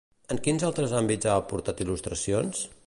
En quins altres àmbits ha aportat il·lustracions?